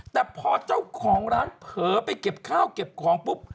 แต่พอเจ้าของร้านเผลอไปเก็บข้าวเก็บของปุ๊บ